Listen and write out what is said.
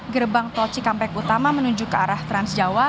gerbang tol cikampek utama menuju ke arah transjawa